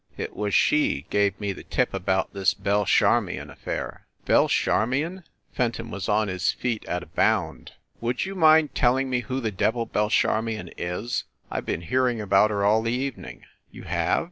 It was she gave me the tip about this Belle Charmion affair." "Belle Charmion?" Fenton was on his feet at a bound. "Would you mind telling me who the devil Belle Charmion is? I ve been hearing about her all the evening." "You have?"